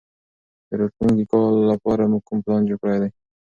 د راتلونکي کال لپاره مو کوم پلان جوړ کړی دی؟